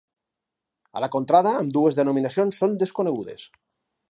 A la contrada ambdues denominacions són desconegudes.